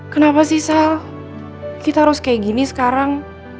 kenapa sih sel kita harus kayak gini sekarang